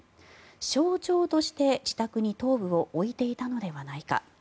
象徴として自宅に頭部を置いていたのではないか。